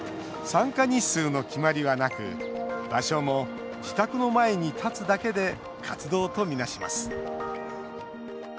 参加日数の決まりはなく場所も自宅の前に立つだけで活動と見なします。